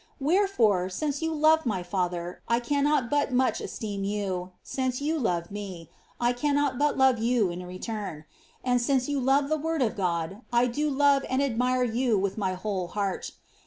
WhereforOi Mace you love my father, 1 cannot but much esteem you ; since you love me, I cannot but love you in return ; and, since you love the Word of GimI, 1 do love and admire you with my whole heart.